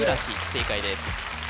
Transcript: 正解です